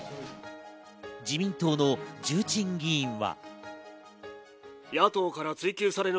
自民党の重鎮議員は。